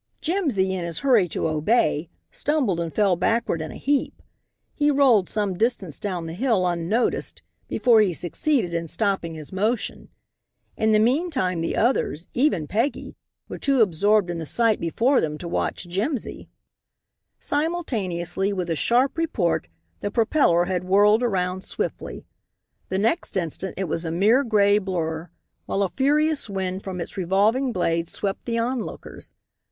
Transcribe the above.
Jimsy in his hurry to obey stumbled and fell backward in a heap. He rolled some distance down the hill unnoticed, before he succeeded in stopping his motion. In the meantime the others even Peggy were too absorbed in the sight before them to watch Jimsy. Simultaneously with the sharp report the propeller had whirled around swiftly. The next instant it was a mere gray blur, while a furious wind from its revolving blades swept the onlookers.